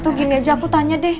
itu gini aja aku tanya deh